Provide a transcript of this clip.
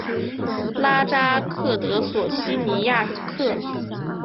拉扎克德索西尼亚克。